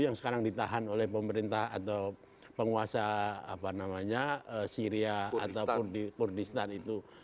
yang sekarang ditahan oleh pemerintah atau penguasa apa namanya syria atau kurdistan itu